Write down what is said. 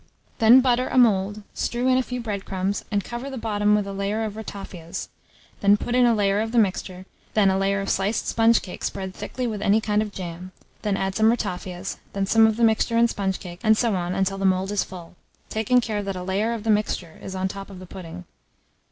Then butter a mould, strew in a few bread crumbs, and cover the bottom with a layer of ratafias; then put in a layer of the mixture, then a layer of sliced sponge cake spread thickly with any kind of jam; then add some ratafias, then some of the mixture and sponge cake, and so on until the mould is full, taking care that a layer of the mixture is on the top of the pudding.